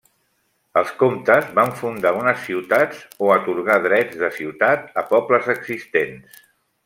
Els comtes van fundar unes ciutats o atorgar drets de ciutat a pobles existents.